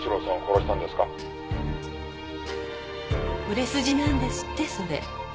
売れ筋なんですってそれ。